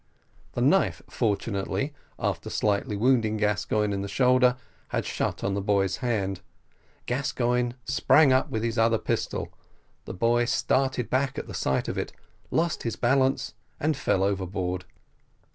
The knife fortunately, after slightly wounding Gascoigne on the shoulder, had shut on the boy's hand Gascoigne sprang up with his other pistol, the boy started back at the sight of it, lost his balance, and fell overboard.